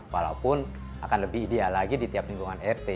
walaupun akan lebih ideal lagi di tiap lingkungan rt